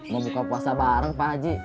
mau buka puasa bareng pak haji